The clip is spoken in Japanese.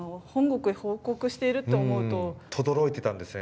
とどろいてたんですね